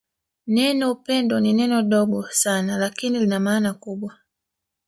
Neno upendo ni neno dogo sana lakini lina maana kubwa